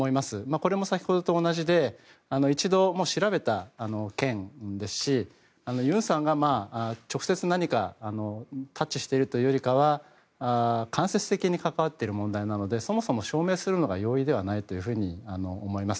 これも先ほどと同じで一度、もう調べた件ですしユンさんが直接何かタッチしているというよりかは間接的に関わっている問題なのでそもそも証明するのが容易ではないと思います。